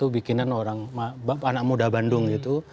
bikinan anak muda bandung gitu